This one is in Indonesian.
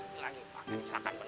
saya lagi pake perbicaraan beneran